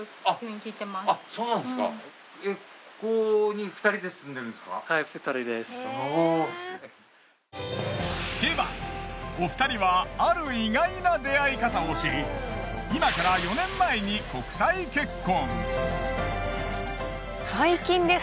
聞けばお二人はある意外な出会い方をし今から４年前に国際結婚。